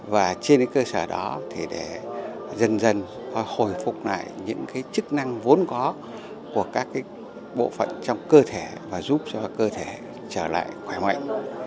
và trên cơ sở đó thì để dần dần hồi phục lại những chức năng vốn có của các bộ phận trong cơ thể và giúp cho cơ thể trở lại khỏe mạnh